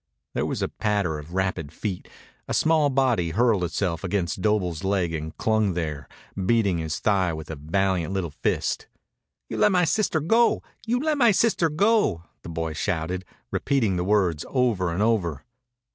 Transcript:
There was a patter of rapid feet. A small body hurled itself against Doble's leg and clung there, beating his thigh with a valiant little fist. "You le' my sister go! You le' my sister go!" the boy shouted, repeating the words over and over.